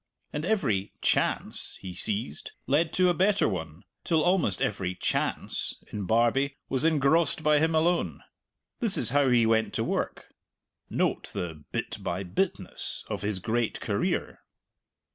And every "chance" he seized led to a better one, till almost every "chance" in Barbie was engrossed by him alone. This is how he went to work. Note the "bit by bitness" of his great career.